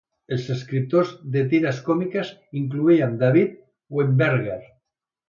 Els escriptors de tires còmiques incloïen David Weinberger.